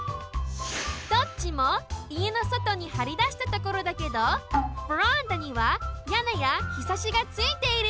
どっちもいえのそとにはりだしたところだけどベランダにはやねやひさしがついている。